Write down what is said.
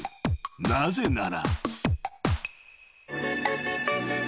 ［なぜなら］